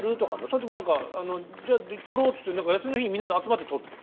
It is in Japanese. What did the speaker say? それとも何か「じゃあ撮ろう」って休みの日にみんなで集まって撮るの？